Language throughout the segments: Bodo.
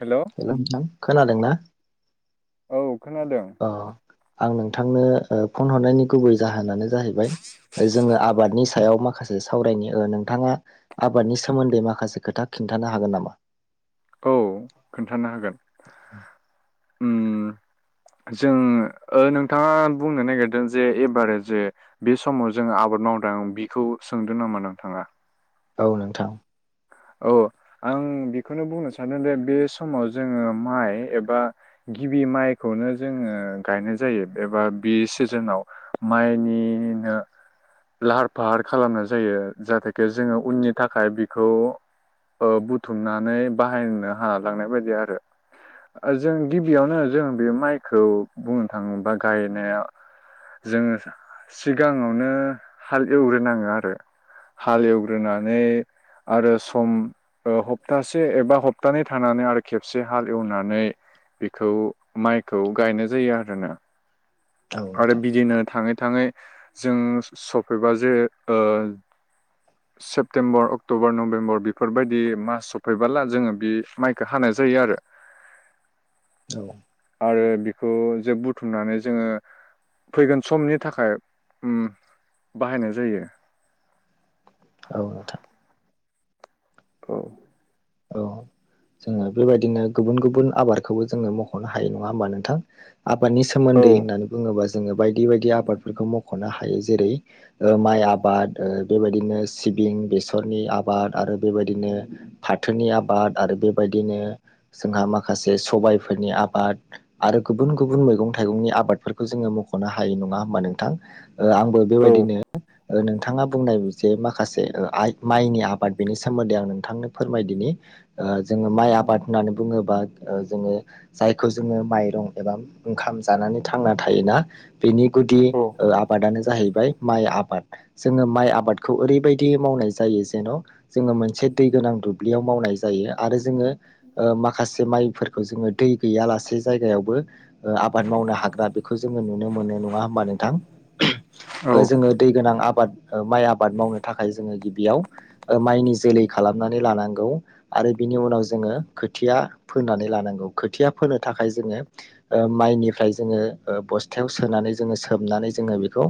हेलौ हेल' नोंथां खोनादोंना? औ खोनादों। अ आं नोंथांनो फन हरनायनि गुबै जाहोनानो जाहैबाय जोङो आबादनि सायाव माखासे सावरायनि ओ नोंथाङा आबादनि सोमोन्दै माखासे खोथा खिन्थानो हागोन नामा? औ खोन्थानो हागोन। [inaudible] उम जों ओ नोंथाङा बुंनो नागिरदों जे एबारजे बे समाव जों आबाद मावदों बिखौ सोंदों नामा नोंथाङा? औ नोंथां। औ आं बेखौनो बुंनो सानदों दे बे समाव जोङो माइ एबा गिबि माइखौनो जोङो गायनाय जायो एबा बे सिजोनाव माइनिनो लाहार फाहार खालामनाय जायो जाहाथे खे जोङो उननि थाखाय बि खौ ओ बुथुमनानै बाहायनो हालांनाय बायदि आरो जों गिबियावनो जों बे माइखौ बुंनो थाङोबा गायनाया जोङो सिगाङावनो हाल एवग्रोनाङो आरो हाल एवग्रोनानै आरो सम ओ हप्तासे एबा हप्तानै थानानै आरो खेबसे हाल एवनानै बेखौ माइखौ गायनाय जायो आरोना। औ आरो नोंथां बिदिनो थाङै थाङै जों सफैबा जे ओ सेप्तेम्बर अक्ट'बर नभेम्बर बेफोरबायदि मास सफैबोला जोङो बे माइखौ हानाय जायो आरो। औ आरो बिखौ जे बुथुमनानै जोङो फैगोन समनि थाखाय उम बाहायनाय जायो। औ नोंथां। औ औ जोङो बेबायदिनो गुबुन गुबुन आबादखौबो जोङो मख'नो हायो नङा होमबा नोंथां? आबादनि औ सोमोन्दै होननानै बुङोबा जोङो बायदि बायदि आबादफोरखौ मख'नो हायो जेरै ओ माइ आबाद बेबायदिनो सिबिं बेसरनि आबाद आरो बेबायदिनो फाथोनि आबाद आरो बेबायदिनो जोंहा माखासे सबाइफोरनि आबाद आरो गुबुन गुबुन मैगं थाइगंनि आबादफोरखौ जोङो मख'नो हायो नङा होमबा नोंथां? ओ आंबो औ बेबायदिनो ओ नोंथाङा बुंनाय जे माखासे आइ माइनि आबाद बेनि सोमोन्दै आं नोंथांनो फोरमायदिनि ओ जोङो माइ आबाद होननानै बुङोबा ओ जोङो जायखौ जोङो माइरं एबा ओंखाम जानानै थांना थायोना। बेनि गुदि ओ आबादानो जाहै माइ आबाद जोङो माइ आबादखौ ओरैबायदि मावनाय जायो जेन' जोङो मोनसे दै गोनां दुब्लियाव मावनाय जायो आरो जोङो ओ माखासे माइफोर खौ जोङो दै गैयालासे जायगायावबो ओ आबाद मावनो हाग्रा बेखौ जोङो नुनो मोनो नङा होमबा नोंथां औ ओ जोङो दै गोनां आबाद ओ माइ आबाद मावनो थाखाय जोङो गिबियाव ओ माइनि जोलै खालामनानै नानै लानांगौ आरो बिनि उनाव जोङो खोथिया फोनानै लानांगौ खोथिया फोनो थाखाय जोङो ओ माइनिफ्राय जोङो ओ बस्थायाव सोनानै जोङो सोमनानै जोङो बेखौ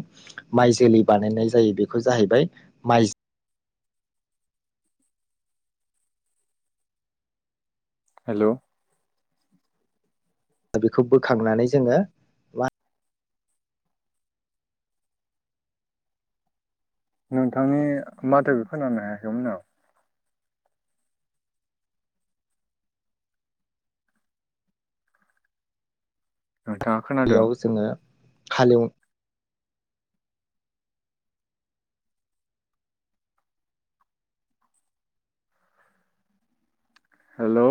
माइ जोलै बानायनाय जायो बेखौ जाहैबाय माइ हेल'। बेखौ बोखांनानै जोङो मा नोंथांनि माथो बे खोनानो हायाखैमोन आं। नोंथाङा बेयाव खोनादों? जोङो हालेव हेल'।